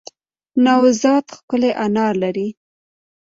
نوزاد ښکلی انار لری